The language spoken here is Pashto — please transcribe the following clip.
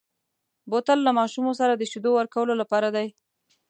بوتل له ماشومو سره د شیدو ورکولو لپاره دی.